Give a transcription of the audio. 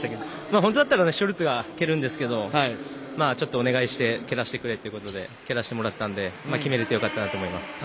本当だったらショルツが蹴るんですけどお願いして蹴らせてくれということで蹴らせてもらったので決めれてよかったなと思います。